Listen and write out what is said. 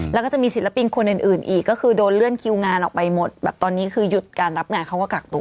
แล้วก็จะมีศิลปินคนอื่นอีกก็คือโดนเลื่อนคิวงานออกไปหมดแบบตอนนี้คือหยุดการรับงานเขาก็กักตัว